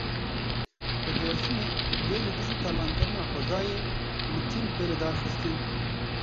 Li Dêrsimê dê li dijî talankirina xwezayê mitîng bê lidarxistin.